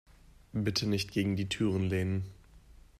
Bitte nicht gegen die Türen lehnen.